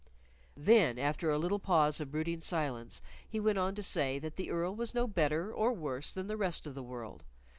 Then, after a little pause of brooding silence, he went on to say that the Earl was no better or worse than the rest of the world.